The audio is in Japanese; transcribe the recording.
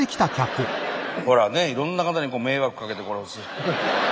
ほらねいろんな方に迷惑かけて。